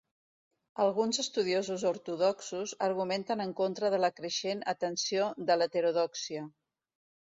Alguns estudiosos ortodoxos argumenten en contra de la creixent atenció en l'heterodòxia.